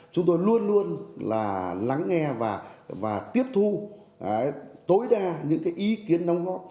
chúng tôi luôn luôn là lắng nghe và tiếp thu tối đa những cái ý kiến đóng góp